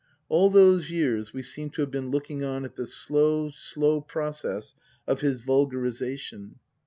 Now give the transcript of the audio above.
All those years we seem to have been looking on at the slow, slow process of his vulgarization.